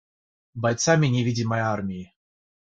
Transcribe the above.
бойцами невидимой армии.